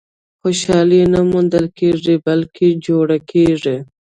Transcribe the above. • خوشالي نه موندل کېږي، بلکې جوړه کېږي.